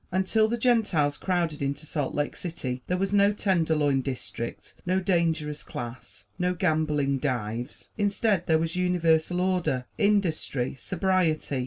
Until the Gentiles crowded into Salt Lake City, there was no "tenderloin district," no "dangerous class," no gambling "dives." Instead, there was universal order, industry, sobriety.